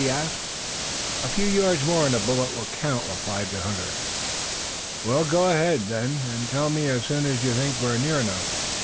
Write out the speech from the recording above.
he asked. "A few yards more and a bullet will count," replied the hunter. "We'll go ahead, then, and tell me as soon as you think we're near enough.